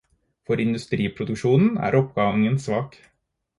For industriproduksjonen er oppgangen svak.